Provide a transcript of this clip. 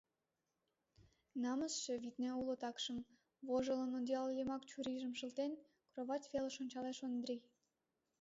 — Намысше, витне, уло такшым — вожылын, одеял йымак чурийжым шылтен, — кровать велыш ончалеш Ондрий.